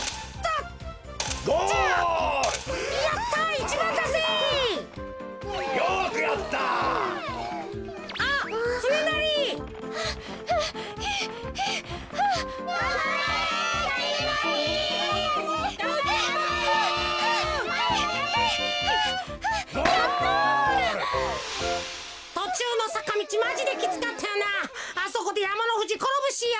あそこでやまのふじころぶしよ。